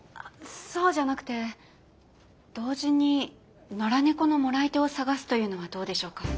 そうじゃなくて同時に野良猫の貰い手を探すというのはどうでしょうか？